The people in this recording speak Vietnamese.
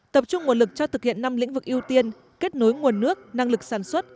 tập trung nguồn lực cho thực hiện năm lĩnh vực ưu tiên kết nối nguồn nước năng lực sản xuất